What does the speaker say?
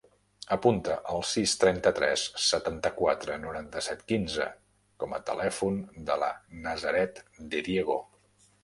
Apunta el sis, trenta-tres, setanta-quatre, noranta-set, quinze com a telèfon de la Nazaret De Diego.